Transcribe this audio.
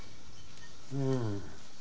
うん。